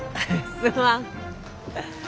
すまん。